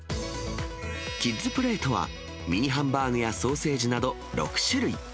キッズプレートは、ミニハンバーグやソーセージなど６種類。